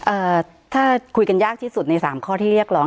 เอ่อถ้าคุยกันยากที่สุดในสามข้อที่เรียกร้อง